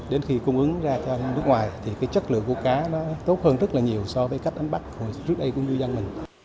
đến khi cung ứng ra nước ngoài thì chất lượng của cá nó tốt hơn rất là nhiều so với cách đánh bắt trước đây của người dân mình